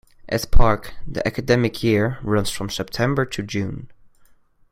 At Park, the academic year runs from September to June.